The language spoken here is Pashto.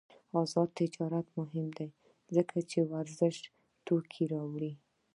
آزاد تجارت مهم دی ځکه چې ورزشي توکي راوړي.